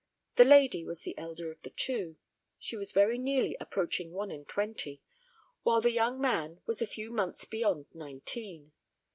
The lady was the elder of the two. She was very nearly approaching one and twenty, while the young man was a few months beyond nineteen.